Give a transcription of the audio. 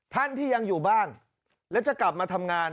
ท่านที่ยังอยู่บ้านและจะกลับมาทำงาน